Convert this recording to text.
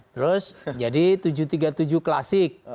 terus jadi tujuh ratus tiga puluh tujuh klasik